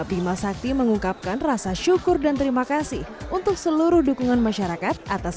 bima sakti mengungkapkan rasa syukur dan terima kasih untuk seluruh dukungan masyarakat atas